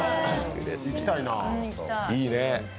いいね。